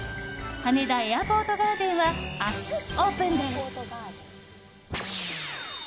羽田エアポートガーデンは明日オープンです。